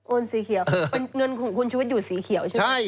โอนสีเขียวคุณช่วยหยุดสีเขียวใช่ไหม